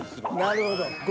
なるほど。